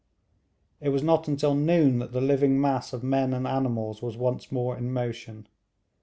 It was not until noon that the living mass of men and animals was once more in motion.